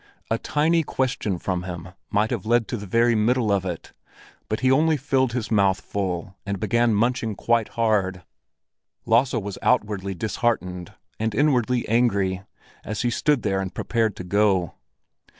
A tiny question from him might have led to the very middle of it; but he only filled his mouth full and began munching quite hard. Lasse was outwardly disheartened and inwardly angry, as he stood there and prepared to go.